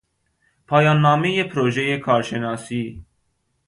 پایاننامهٔ پروژهٔ کارشناسی